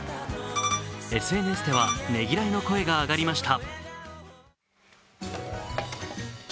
ＳＮＳではねぎらいの声が上がりました。